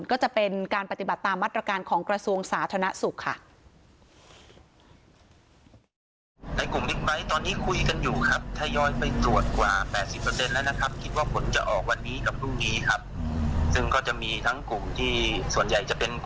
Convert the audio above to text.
ก็จะเป็นการปฏิบัติตามมาตรการของกระทรวงสาธารณสุขค่ะ